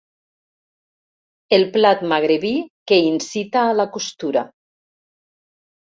El plat magrebí que incita a la costura.